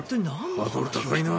ハードル高いな。